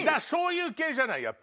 そういう系じゃない？